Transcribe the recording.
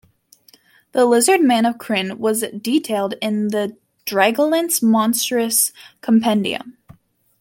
The lizard man of Krynn was detailed in the "Dragonlance Monstrous Compendium".